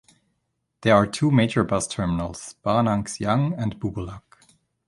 There are two major bus terminals, Baranangsiang and Bubulak.